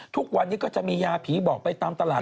ทุกวันนี้ก็จะมียาผีบอกไปตามตลาด